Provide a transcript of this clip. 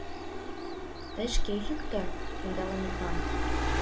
Тый шке йӱктӧ: ондалыметлан...